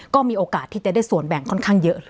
ก็มีโอกาสที่จะได้ส่วนแบ่งค่อนข้างเยอะ